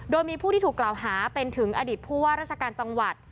โดยมีผู้ที่ถูกกล่าวหาเป็นถึงอดีตผู้ว่าราชการจังหวัด